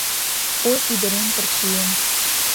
«ОЙ, ӰДЫРЕМ, ПЫРЧИЕМ!»